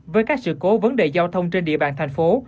với các sự cố vấn đề giao thông trên địa bàn thành phố